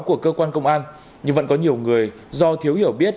của cơ quan công an nhưng vẫn có nhiều người do thiếu hiểu biết